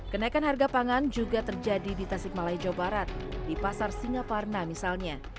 kenaikan harga pangan juga terjadi di tasikmalaya jawa barat di pasar singaparna misalnya